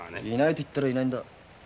「いない」と言ったらいないんだ。